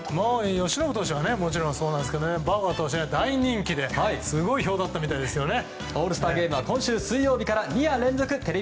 由伸投手はもちろんそうなんですけどバウアー投手は大人気ですごい票だったみたいですね。